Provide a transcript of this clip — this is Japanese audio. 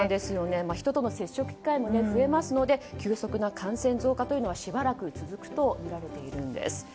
人との接触機会も増えますので急速な感染増加がしばらく続くとみられているんです。